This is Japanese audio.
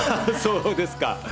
そうですか。